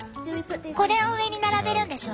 これを上に並べるんでしょ？